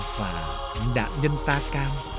và nạn nhân sa cam